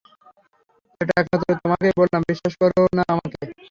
এটা একমাত্র তোমাকেই বললাম বিশ্বাস করো না আমাকে?